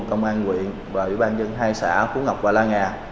công an huyện và ủy ban dân hai xã phú ngọc và la nga